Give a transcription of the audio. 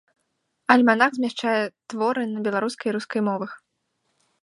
Альманах змяшчае творы на беларускай і рускай мовах.